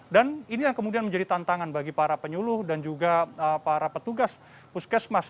dan ini yang kemudian menjadi tantangan bagi para penyuluh dan juga para petugas puskesmas